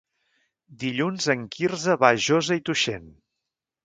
Dilluns en Quirze va a Josa i Tuixén.